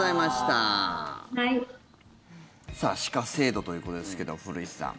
歯科制度ということですけど古市さん。